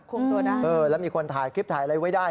ตัวได้เออแล้วมีคนถ่ายคลิปถ่ายอะไรไว้ได้